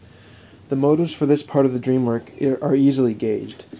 The motives for this part of the dream work are easily gauged.